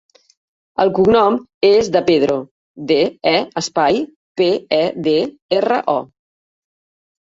El cognom és De Pedro: de, e, espai, pe, e, de, erra, o.